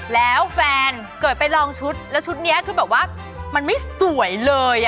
แล้วแฟนเกิดไปลองชุดแล้วชุดนี้คือแบบว่ามันไม่สวยเลย